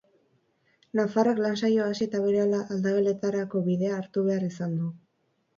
Nafarrak lan-saioa hasi eta berehala, aldageletarako bidea hartu behar izan du.